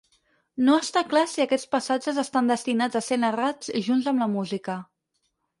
No està clar si aquests passatges estan destinats a ser narrats junts amb la música.